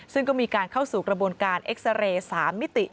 ซึ่งก็มีการเข้าสู่กระบวนการเอ็กซาเรย์๓มิติ